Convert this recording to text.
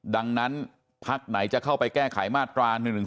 ดังนั้นพักไหนจะเข้าไปแก้ไขมาตรา๑๑๒